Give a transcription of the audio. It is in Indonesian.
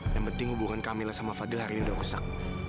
yang penting hubungan kamila sama fadil hari ini udah rusak